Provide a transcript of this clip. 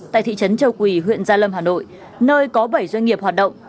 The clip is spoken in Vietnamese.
tại thị trấn châu quỳ huyện gia lâm hà nội nơi có bảy doanh nghiệp hoạt động